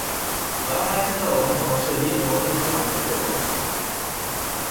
兰开斯特王朝是英国历史上的一个王朝。